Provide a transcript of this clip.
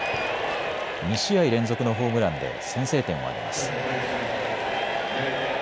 ２試合連続のホームランで先制点を挙げます。